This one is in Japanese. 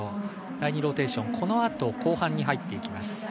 第２ローテーション、このあと後半に入っていきます。